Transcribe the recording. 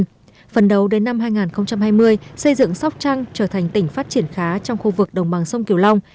phần đầu đến năm hai nghìn hai mươi xây dựng sóc trăng trở thành tỉnh phát triển khá trong khu vực đồng bằng sông kiều long